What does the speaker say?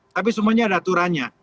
tapi semuanya ada aturannya